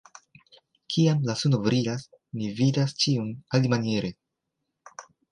Kiam la suno brilas, ni vidas ĉion alimaniere.